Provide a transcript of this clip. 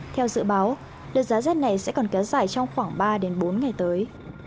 theo dự báo đợt giá rét này sẽ còn kéo dài trong khoảng ba bốn ngày tới